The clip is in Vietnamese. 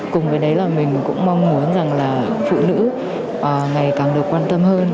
cùng với đấy là mình cũng mong muốn rằng là phụ nữ ngày càng được quan tâm hơn